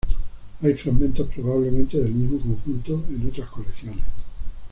Hay fragmentos probablemente del mismo conjunto en otras colecciones.